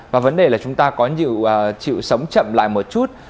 và vấn đề là chúng ta có chịu sống chậm lại một chút